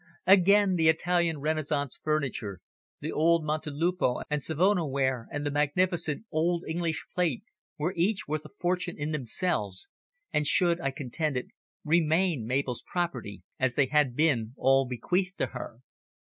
Again, the Italian Renaissance furniture, the old Montelupo and Savona ware and the magnificent old English plate were each worth a fortune in themselves, and should, I contended, remain Mabel's property, as they had been all bequeathed to her.